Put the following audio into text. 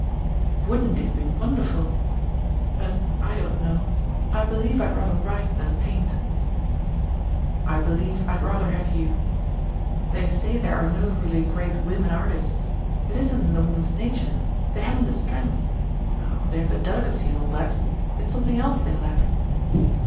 "Wouldn't it be wonderful! But I don't know I believe I'd rather write than paint." "I believe I'd rather have you. They say there are no really great women artists. It isn't in the woman's nature. They haven't the strength. Oh, they have the delicacy and all that; it's something else they lack."